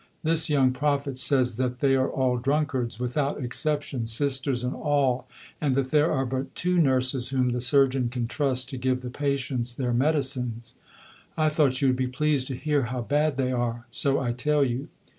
This young prophet says that they are all drunkards, without exception, Sisters and all, and that there are but two nurses whom the surgeon can trust to give the patients their medicines. I thought you would be pleased to hear how bad they are, so I tell you.